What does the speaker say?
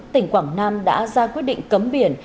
tỉnh quảng nam đã ra quyết định cấm biển